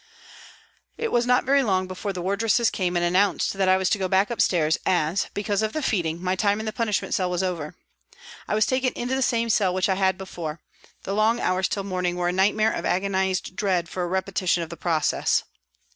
It was not very long before the wardress came and announced that I was to go back upstairs as, because of the feeding, my time in the punishment cell was over. I was taken into the same cell which I had before; the long hours till morning were a nightmare of agonised dread for a repetition of the process.